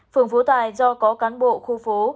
phường phú tài do có cán bộ khu phố